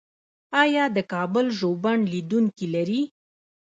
آیا د کابل ژوبڼ لیدونکي لري؟